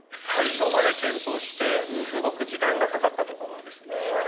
最後まで検討してすごく時間がかかったところですね。